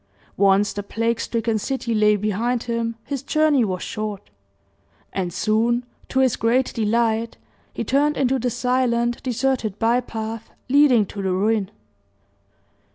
Once the plague stricken city lay behind him, his journey was short; and soon, to his great delight, he turned into the silent deserted by path leading to the ruin.